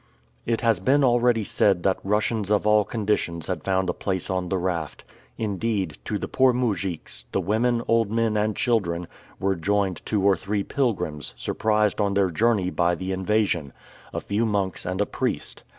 It has been already said that Russians of all conditions had found a place on the raft. Indeed, to the poor moujiks, the women, old men, and children, were joined two or three pilgrims, surprised on their journey by the invasion; a few monks, and a priest.